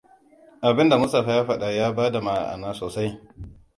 Abinda Mustapha ya faɗa ya bada ma'ana sosai.